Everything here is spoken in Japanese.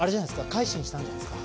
改心したんじゃないですか？